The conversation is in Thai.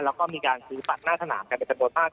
แล้วก็มีการซื้อปัดหน้าธนามกันเป็นประโยชน์มาก